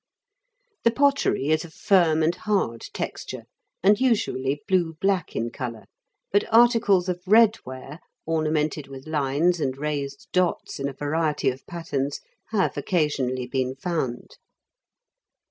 The pottery is of firm and hard texture, and usually blue black in colour ; but articles of red ware, ornamented with lines and raised dots, in a variety of patterns, have occasionally been found.